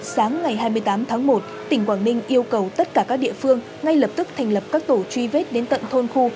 sáng ngày hai mươi tám tháng một tỉnh quảng ninh yêu cầu tất cả các địa phương ngay lập tức thành lập các tổ truy vết đến tận thôn khu